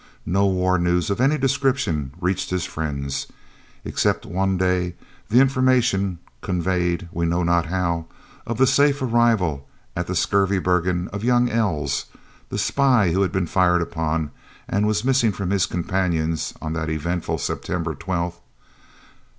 No war news of any description reached his friends, except one day the information, conveyed we know not how, of the safe arrival at the Skurvebergen of young Els, the spy who had been fired upon and was missing from his companions on that eventful September 12th.